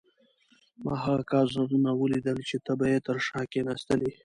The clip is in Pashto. ما هغه کاغذونه ولیدل چې ته به یې تر شا کښېناستلې.